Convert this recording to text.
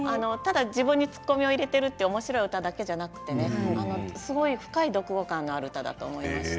自分に突っ込みを入れているおもしろい歌だけではなくて深い読後感のある歌だと思いました。